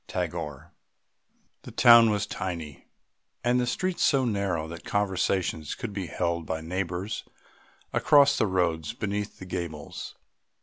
TAGORE. The town was tiny and the streets so narrow that conversation could be held by neighbours across the road beneath the gables.